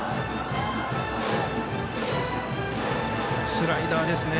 スライダーですね。